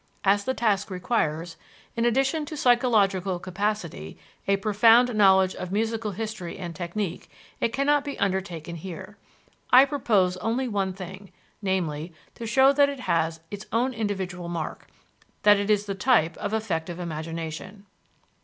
As the task requires, in addition to psychological capacity, a profound knowledge of musical history and technique, it cannot be undertaken here. I purpose only one thing, namely, to show that it has its own individual mark that it is the type of affective imagination.